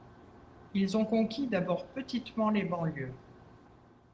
Ils ont conquis d'abord petitement les banlieues.